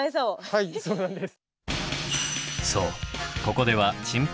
はいそうなんです。